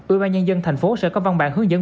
ủy ban nhân dân thành phố sẽ có văn bản hướng dẫn